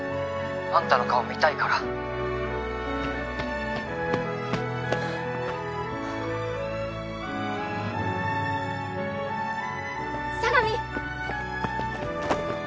☎あんたの顔見たいから佐神！